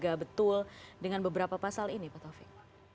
apakah betul dengan beberapa pasal ini pak taufik